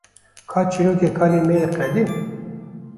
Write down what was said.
Ka çîrokê kalê me yê qedîm?